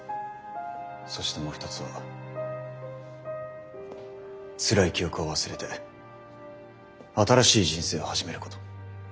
そしてもう一つはつらい記憶を忘れて新しい人生を始めること。